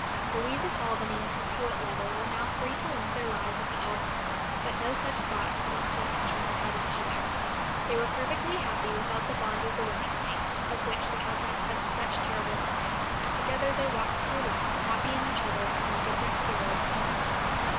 Louise of Albany and her poet lover were now free to link their lives at the altar but no such thought seems to have entered the head of either. They were perfectly happy without the bond of the wedding ring, of which the Countess had such terrible memories; and together they walked through life, happy in each other and indifferent to the world's opinion.